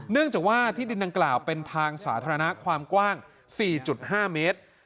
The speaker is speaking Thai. เนื่องจากว่าที่ดินดังกล่าวเป็นทางสาธารณะความกว้าง๔๕เมตร